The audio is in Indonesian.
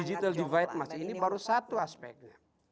dan digital divide masih ini baru satu aspeknya